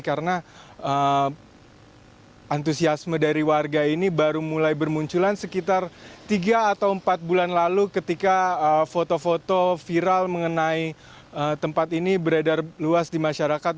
karena antusiasme dari warga ini baru mulai bermunculan sekitar tiga atau empat bulan lalu ketika foto foto viral mengenai tempat ini beredar luas di masyarakat